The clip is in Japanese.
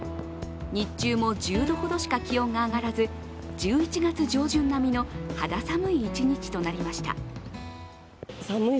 日中も１０度ほどしか気温が上がらず１１月上旬並みの肌寒い一日となりました。